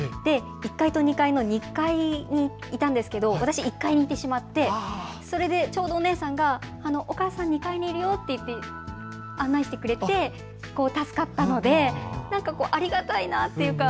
１階と２階の２階にいたんですけど私、１階に行ってしまって、ちょうどお姉さんがお母さん２階にいるよって言って案内してくれて助かったので、なんかありがたいなというか。